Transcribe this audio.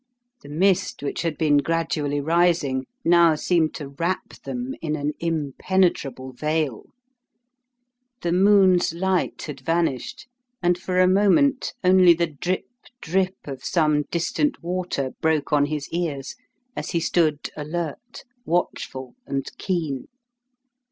The mist which had been gradually rising now seemed to wrap them in an impenetrable veil. The moon's light had vanished and for a moment only the drip drip of some distant water broke on his ears as he stood alert, watchful, and keen.